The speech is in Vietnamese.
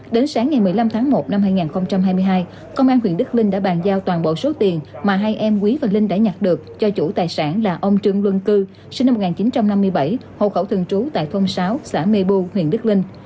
đến sáng ngày một mươi năm tháng một năm hai nghìn hai mươi hai công an huyện đức linh đã bàn giao toàn bộ số tiền mà hai em quý và linh đã nhặt được cho chủ tài sản là ông trương luân cư sinh năm một nghìn chín trăm năm mươi bảy hộ khẩu thường trú tại thôn sáu xã mê bu huyện đức linh